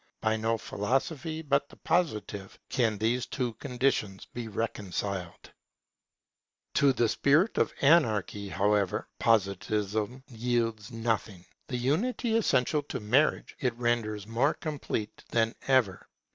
By no philosophy but the Positive can these two conditions be reconciled. [Perpetual widowhood] To the spirit of anarchy, however, Positivism yields nothing. The unity essential to marriage, it renders more complete than ever.